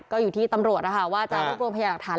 ก็อยู่ที่ตำรวจนะคะว่าจะรวบรวมพยาหลักฐาน